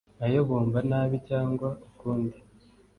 nayo bumva nabi cyangwa ukundi